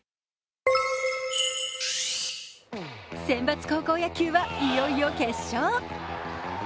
選抜高校野球はいよいよ決勝。